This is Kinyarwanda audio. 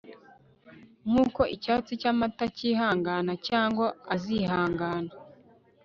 nkuko icyatsi cya mata cyihangana; cyangwa azihangana